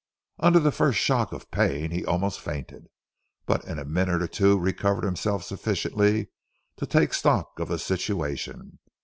Under the first shock of pain, he almost fainted, but in a minute or two recovered himself sufficiently to take stock of the situation.